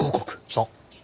そう。